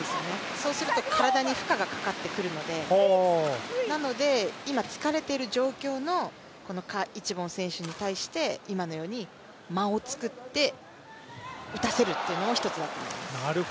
そうすると体に負荷がかかってくるので今疲れている状況の賈一凡選手に対して今のように間を作って、打たせるというのも１つだと思います。